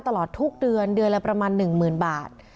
ตลอดทุกเดือนเดือนละประมาณหนึ่งหมื่นบาท